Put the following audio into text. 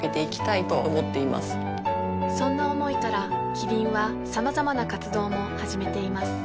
そんな思いからキリンはさまざまな活動も始めています